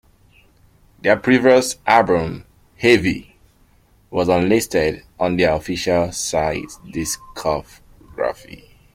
Their previous album "Heavy" was unlisted on their official site discography.